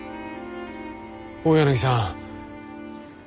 大柳さん。